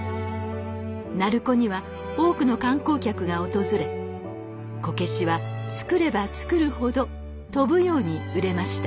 鳴子には多くの観光客が訪れこけしは作れば作るほど飛ぶように売れました。